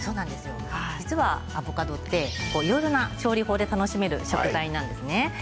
実はアボカドっていろんな調理法で楽しめる食材なんですね。